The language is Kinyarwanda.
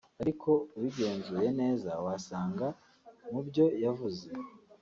ariko ubigenzuye neza wasanga mubyo yavuze